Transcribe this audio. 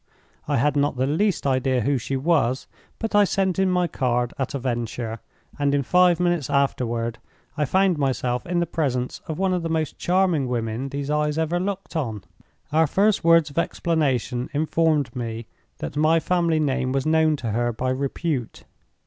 I had not the least idea who she was, but I sent in my card at a venture; and in five minutes afterward I found myself in the presence of one of the most charming women these eyes ever looked on. "Our first words of explanation informed me that my family name was known to her by repute.